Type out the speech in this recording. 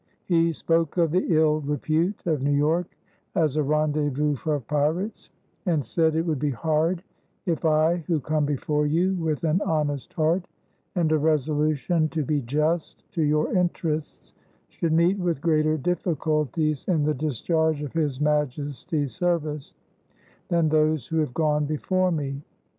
He spoke of the ill repute of New York as a rendezvous for pirates and said: "It would be hard if I who come before you with an honest heart and a resolution to be just to your interests, should meet with greater difficulties in the discharge of His Majesty's service than those who have gone before me."